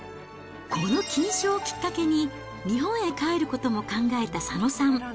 この金賞をきっかけに、日本へ帰ることも考えた佐野さん。